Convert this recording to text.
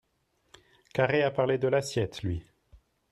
Carré a parlé de l’assiette, lui